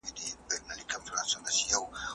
تر هغه چي دا نړۍ وي غریب به کړیږي.